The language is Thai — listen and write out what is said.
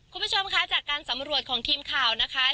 คุณผู้ชมคะจากการสำรวจของทีมข่าวนะคะ